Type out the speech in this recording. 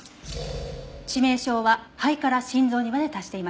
致命傷は肺から心臓にまで達していました。